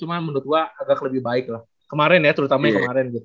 cuma menurut gue agak lebih baik lah kemarin ya terutama yang kemarin gitu